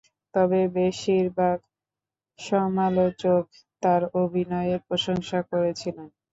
তবে বেশিরভাগ সমালোচক তার অভিনয়ের প্রশংসা করেছিলেন।